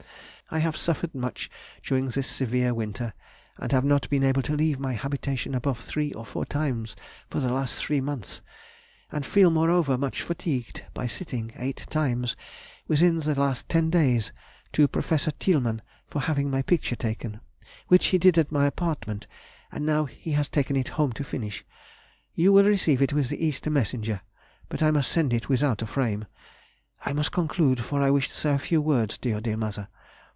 I have suffered much during this severe winter, and have not been able to leave my habitation above three or four times for the last three months, and feel, moreover, much fatigued by sitting eight times within the last ten days to Professor Tielemann for having my picture taken, which he did at my apartment, and now he has taken it home to finish. You will receive it with the Easter messenger, but I must send it without frame.... I must conclude, for I wish to say a few words to your dear mother.